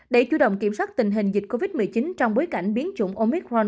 để chủ động kiểm soát tình hình dịch covid một mươi chín trong bối cảnh biến chủng omicron